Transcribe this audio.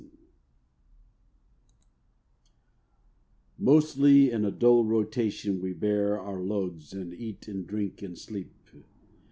TOWN Mostly in a dull rotation We bear our loads and eat and drink and sleep.